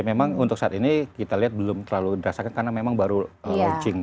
memang untuk saat ini kita lihat belum terlalu dirasakan karena memang baru launching